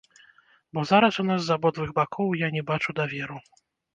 Бо зараз у нас з абодвух бакоў я не бачу даверу.